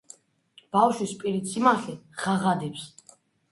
ბავშვის პირით სიმართლე ღაღადებს